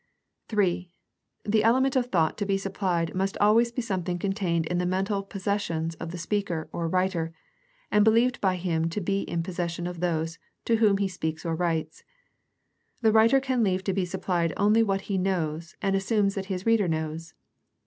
(3) The element of thought to be supphed must always be something contained in the mental possessions of the speaker or writer and believed by him to be in possession of those to whom he speaks or writes. The writer can leave to be supplied only what he knows, and assumes that his reader knows.